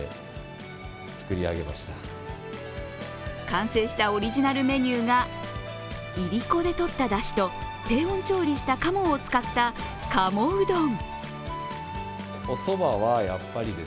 完成したオリジナルメニューがいりこでとっただしと低温調理した鴨を使った鴨うどん。